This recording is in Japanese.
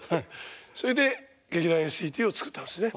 それで劇団ＳＥＴを作ったんですね。